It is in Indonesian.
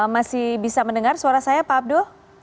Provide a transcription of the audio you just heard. masih bisa mendengar suara saya pak abdul